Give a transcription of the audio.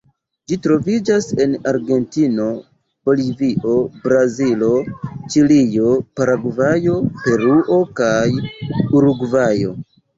Ĝi troviĝas en Argentino, Bolivio, Brazilo, Ĉilio, Paragvajo, Peruo kaj Urugvajo.